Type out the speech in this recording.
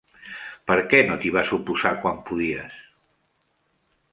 Per què no t'hi vas oposar quan podies?